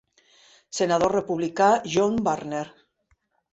Senador republicà John Warner.